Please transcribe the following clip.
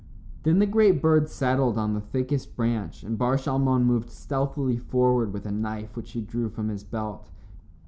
Then the great bird settled on the thickest branch, and Bar Shalmon moved stealthily forward with a knife which he drew from his belt.